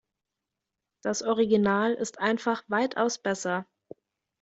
Das Original ist einfach weitaus besser.